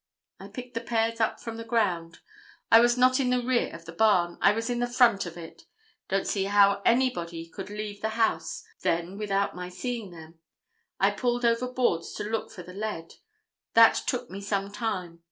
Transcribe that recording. I picked the pears up from the ground. I was not in the rear of the barn. I was in the front of it. Don't see how anybody could leave the house then without my seeing them. I pulled over boards to look for the lead. That took me some time.